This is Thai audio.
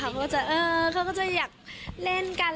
เขาก็จะเออเขาก็จะอยากเล่นกัน